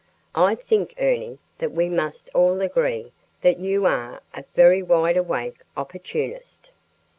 "I think, Ernie, that we must all agree that you are a very wide awake opportunist."